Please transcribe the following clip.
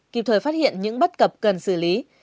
kịp thời phát hiện những bất cập cần xử lý